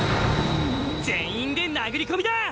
全員で殴り込みだぁ！